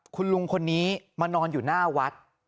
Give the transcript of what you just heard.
คุณลุงคนนี้มานอนอยู่หน้าวัด